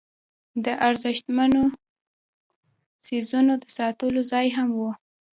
د ارزښتمنو څیزونو د ساتلو ځای هم و.